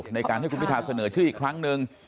ในการให้คุณพิทาเสนอชื่ออีกครั้งหนึ่ง